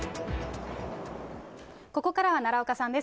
ここからは奈良岡さんです。